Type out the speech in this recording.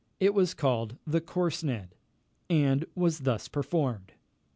It was called the Corsned, and was thus performed.